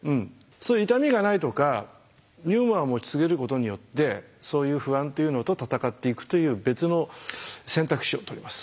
そういう痛みがないとかユーモアを持ち続けることによってそういう不安というのと闘っていくという別の選択肢をとります。